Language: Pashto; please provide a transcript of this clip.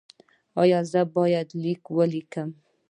ایا زه باید لیکل وکړم؟